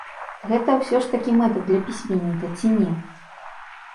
Гэта ўсё ж такі мэта для пісьменніка ці не?